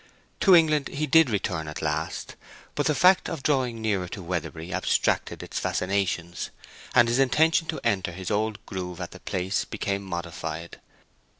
To England he did return at last; but the fact of drawing nearer to Weatherbury abstracted its fascinations, and his intention to enter his old groove at the place became modified.